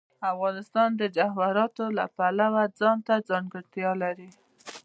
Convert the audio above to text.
افغانستان د جواهرات د پلوه ځانته ځانګړتیا لري.